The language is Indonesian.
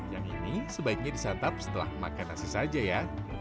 yang ini sebaiknya disantap setelah makan nasi saja ya